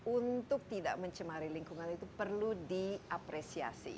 untuk tidak mencemari lingkungan itu perlu diapresiasi